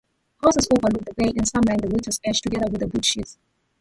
Houses overlook the bay and some line the water's edge together with boatsheds.